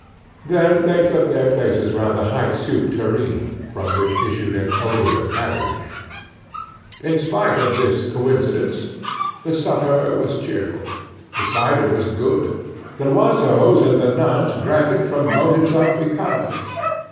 Then they took their places round a high soup tureen, from which issued an odor of cabbage. In spite of this coincidence, the supper was cheerful. The cider was good; the Loiseaus and the nuns drank it from motives of economy.